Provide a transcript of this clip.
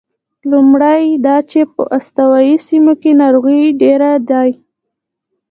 لومړی دا چې په استوایي سیمو کې ناروغۍ ډېرې دي.